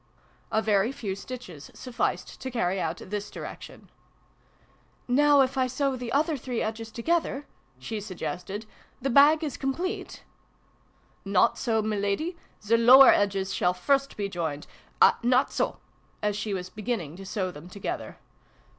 A very few stitches sufficed to carry out this direction. "Now, if I sew the other three vil] MEIN HERR. 101 edges together," she suggested, " the bag is complete ?"" Not so, Miladi : the lower edges shall first be joined ah, not so !" (as she was beginning to sew them together).